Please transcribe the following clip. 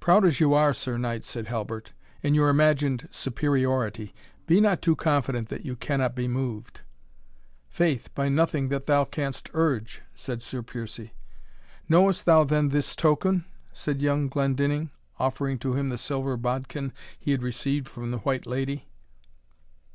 "Proud as you are, Sir Knight," said Halbert, "in your imagined superiority, be not too confident that you cannot be moved." "Faith, by nothing that thou canst urge," said Sir Piercie. "Knowest thou, then, this token?" said young Glendinning, offering to him the silver bodkin he had received from the White Lady.